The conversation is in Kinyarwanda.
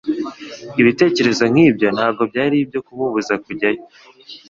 Ibitekerezo nk'ibyo ntabwo byari ibyo kumubuza kujya yo.